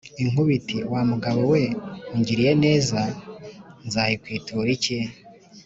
, Inkuba iti: "Wa mugabo we ungiriye neza, nzayikwitura iki?"